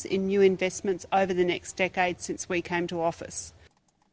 dalam investasi baru dalam dekade setelah kita datang ke pejabat